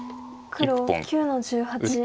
黒９の十八。